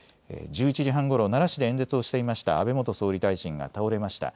１１時半ごろ、奈良市で演説をしていました安倍元総理大臣が倒れました。